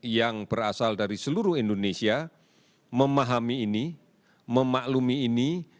yang berasal dari seluruh indonesia memahami ini memaklumi ini